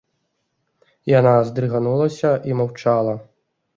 Яна здрыганулася і маўчала.